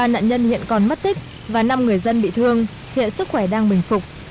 ba nạn nhân hiện còn mất tích và năm người dân bị thương hiện sức khỏe đang bình phục